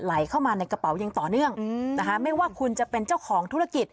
ไหลเข้ามาในกระเป๋ายังต่อเนื่องนะคะไม่ว่าคุณจะเป็นเจ้าของธุรกิจ